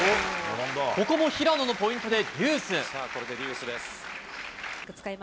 ここも平野のポイントでデュース。